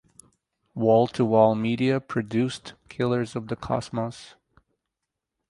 Wall to Wall Media produced "Killers of the Cosmos".